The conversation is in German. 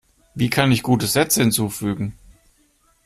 Wie kann ich gute Sätze hinzufügen?